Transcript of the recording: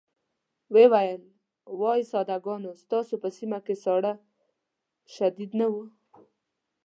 وویل وای ساده ګانو ستاسو په سيمه کې ساړه شديد نه وو.